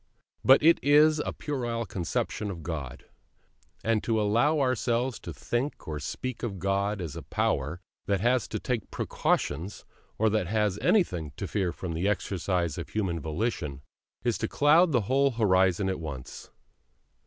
But it is a puerile conception of God; and to allow ourselves to think or speak of God as a Power that has to take precautions, or that has anything to fear from the exercise of human volition, is to cloud the whole horizon at once.